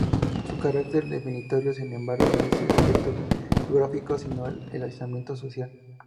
Su carácter definitorio, sin embargo, no es el aspecto geográfico, sino el aislamiento social.